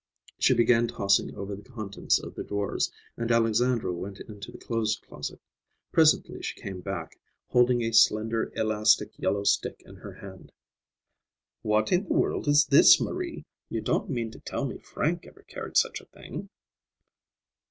She began tossing over the contents of the drawers, and Alexandra went into the clothes closet. Presently she came back, holding a slender elastic yellow stick in her hand. "What in the world is this, Marie? You don't mean to tell me Frank ever carried such a thing?"